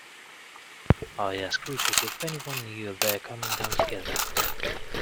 I asked Richard if any one knew of their coming down together.